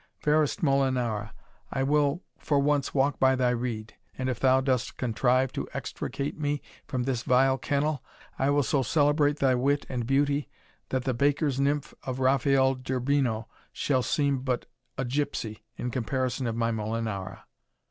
Fairest Molinara, I will for once walk by thy rede, and if thou dost contrive to extricate me from this vile kennel, I will so celebrate thy wit and beauty, that the Baker's nymph of Raphael d'Urbino shall seem but a gipsey in comparison of my Molinara."